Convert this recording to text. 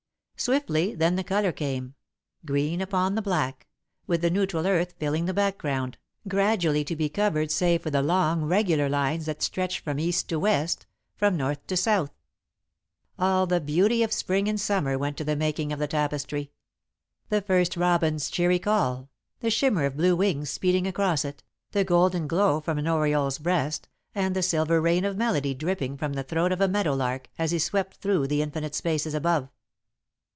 Swiftly then the colour came, green upon the black, with the neutral earth filling the background, gradually to be covered save for the long regular lines that stretched from East to West, from North to South. [Sidenote: The New Growth] All the beauty of Spring and Summer went to the making of the tapestry: the first robin's cheery call, the shimmer of blue wings speeding across it, the golden glow from an oriole's breast, and the silver rain of melody dripping from the throat of a meadow lark as he swept through the infinite spaces above.